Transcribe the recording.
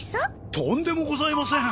とんでもございません！